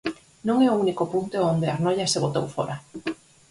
Non é o único punto onde o Arnoia se botou fóra.